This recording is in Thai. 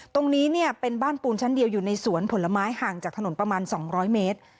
ตรงนี้เนี่ยเป็นบ้านปูนชั้นเดียวอยู่ในสวนผลไม้ห่างจากถนนประมาณ๒๐๐เมตร